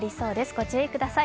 ご注意ください。